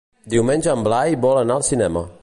Diumenge en Blai vol anar al cinema.